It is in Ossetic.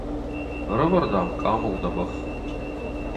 Ӕрӕвӕр, дам, къамыл дӕ бӕх!